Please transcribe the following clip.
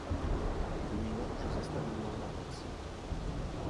Вы меня уже заставили волноваться.